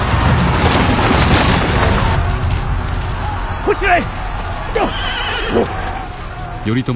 こちらへ。